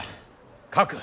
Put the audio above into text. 書く！